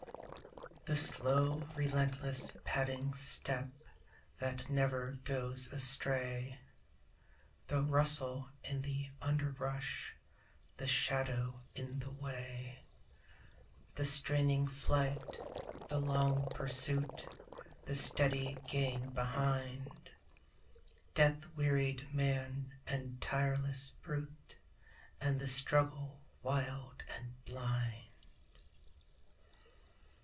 The slow, relentless, padding step That never goes astray The rustle in the underbrush The shadow in the way The straining flight the long pursuit The steady gain behind Death wearied man and tireless brute, And the struggle wild and blind!